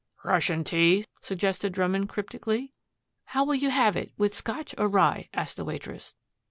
"Russian tea?" suggested Drummond cryptically. "How will you have it with Scotch or rye?" asked the waitress.